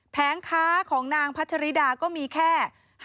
แผงค้าของนางพัชริดาก็มีแค่